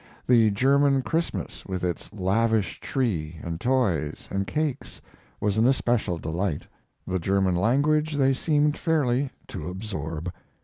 The German Christmas, with its lavish tree and toys and cakes, was an especial delight. The German language they seemed fairly to absorb.